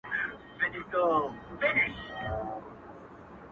د کلي سپی یې; د کلي خان دی;